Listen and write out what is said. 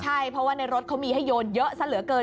ใช่เพราะว่าในรถเขามีให้โยนเยอะซะเหลือเกิน